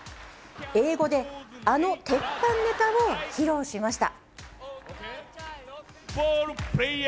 英語で、あの鉄板ネタを披露しました。